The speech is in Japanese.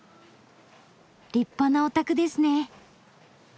立派なお宅ですね！